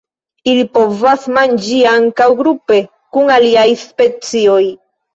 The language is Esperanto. Ili povas manĝi ankaŭ grupe kun aliaj specioj.